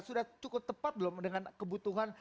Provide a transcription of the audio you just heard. sudah cukup tepat belum dengan kebutuhan